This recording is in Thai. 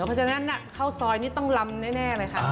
เพราะฉะนั้นข้าวซอยนี่ต้องลำแน่เลยค่ะ